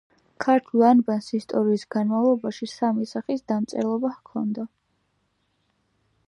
ქართულ ანბანს ისტორიის განმავლობაში სამი სახის დამწერლობა ჰქონდა.